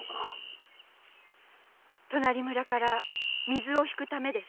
隣村から水を引くためです。